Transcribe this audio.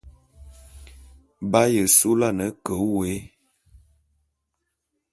B'aye su'ulane ke wôé.